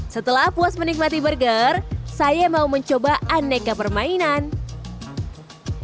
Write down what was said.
setelah puas menikmati burger saya mau coba aneka permainannya